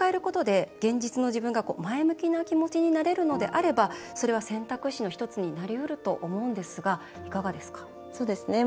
見た目を変えることで現実の自分が前向きになれるのであればそれは選択肢の１つになりうると思うんですがいかがですか？